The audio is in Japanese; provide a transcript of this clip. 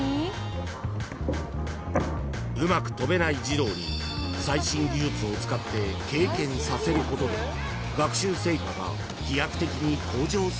［うまく跳べない児童に最新技術を使って経験させることで学習成果が飛躍的に向上するといいます］